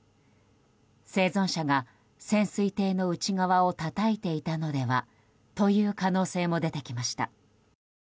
生存者が潜水艇の内側をたたいていたのではという可能性も出てきました。